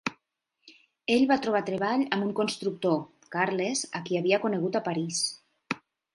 Ell va trobar treball amb un constructor, Carles, a qui havia conegut a París.